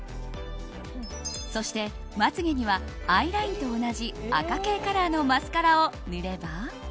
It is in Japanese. そして、まつ毛にはアイラインと同じ赤系カラーのマスカラを塗れば。